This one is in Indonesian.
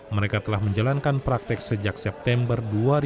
mereka telah menjalankan praktek sejak september dua ribu dua puluh